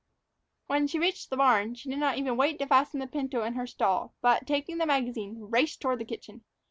When she reached the barn, she did not even wait to fasten the pinto in her stall; but, taking the magazine, raced toward the kitchen.